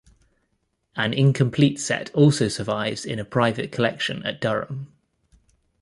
An incomplete set also survives in a private collection at Durham.